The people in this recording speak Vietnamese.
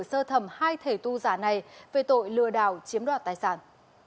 sơ thẩm hai thể tu giả này về tội lừa đảo chiếm đoạt tài sản